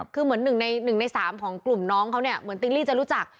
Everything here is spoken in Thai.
คือเหมือน๑ใน๑ใน๓ของกลุ่มน้องเขาเนี่ยเหมือนติ๊งลี่จะรู้จัก